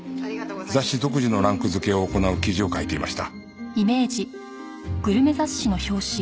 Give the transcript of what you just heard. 雑誌独自のランク付けを行う記事を書いていました。